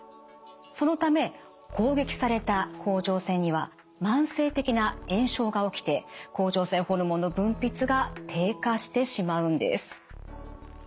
そのため攻撃された甲状腺には慢性的な炎症が起きて甲状腺ホルモンの分泌が低下してしまうんです。